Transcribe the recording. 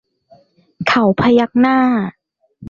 เขาพยักหน้า